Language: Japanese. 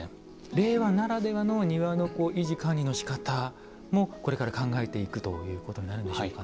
令和ならではの庭の維持管理の姿もこれから考えていくということになるんでしょうかね。